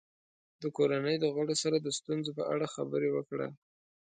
د کورنۍ د غړو سره د ستونزو په اړه خبرې وکړه.